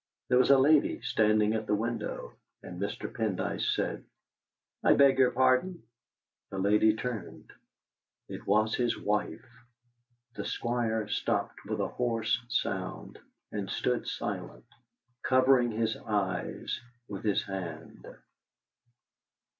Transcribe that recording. There was a lady standing at the window, and Mr. Pendyce said: "I beg your pardon?" The lady turned; it was his wife. The Squire stopped with a hoarse sound, and stood silent, covering his eyes with his hand.